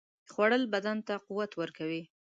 خوړل بدن ته قوت ورکوي